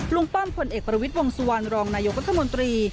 ป้อมผลเอกประวิทย์วงสุวรรณรองนายกรัฐมนตรี